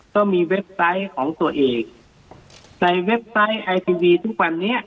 เว็บไซต์ของตัวเองในเว็บไซต์ไอทีวีทุกวันนี้